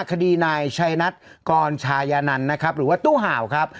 คดีนายชัยนัทกรชายานันนะครับหรือว่าตู้ห่าวครับ